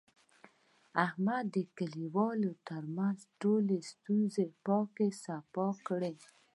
احمد د کلیوالو ترمنځ ټولې ستونزې پاکې صفا کړلې.